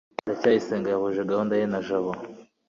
ndacyayisenga yahuje gahunda ye na jabo